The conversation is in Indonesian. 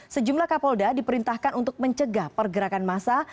sejumlah kapolda diperintahkan untuk mencegah pergerakan masa